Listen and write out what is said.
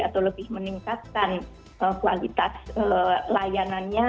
atau lebih meningkatkan kualitas layanannya